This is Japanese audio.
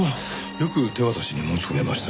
よく手渡しに持ち込めましたね。